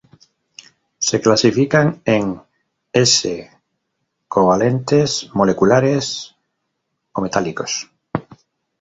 Se clasifican en: s, covalentes, moleculares o metálicos.